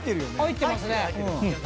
入ってますね。